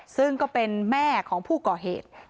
ซึ่งก็เป็นแม่ของผู้ก่อเหตุ